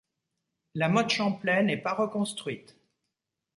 La motte Champlay n'est pas reconstruite.